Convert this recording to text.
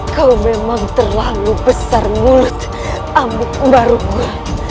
kau memang terlalu besar mulut amuk umarungu